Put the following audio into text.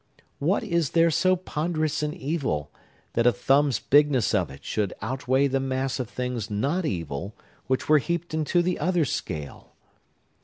What is there so ponderous in evil, that a thumb's bigness of it should outweigh the mass of things not evil which were heaped into the other scale!